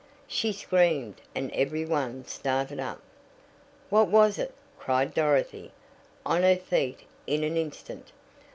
She screamed, and every one started up. "What was it?" cried Dorothy, on her feet in an instant.